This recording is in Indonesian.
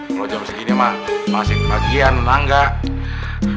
kalo jam segini mah masih kebagian enggak